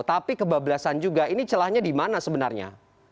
tapi kebablasan juga ini celahnya di mana sebenarnya